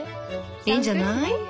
いいんじゃない？